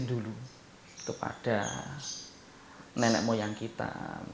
dulu kepada nenek moyang kita